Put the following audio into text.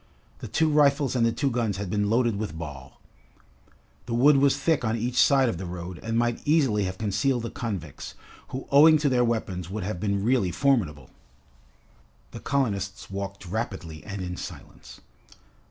The two rifles and the two guns had been loaded with ball. The wood was thick on each side of the road and might easily have concealed the convicts, who owing to their weapons would have been really formidable. The colonists walked rapidly and in silence.